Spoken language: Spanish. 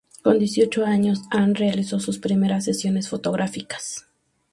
Con dieciocho años Ann realizó sus primeras sesiones fotográficas.